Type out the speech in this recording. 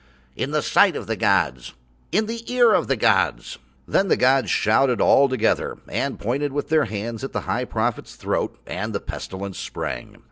"In the sight of the gods. "In the ear of the gods." Then the gods shouted all together and pointed with Their hands at the High Prophet's throat, and the Pestilence sprang.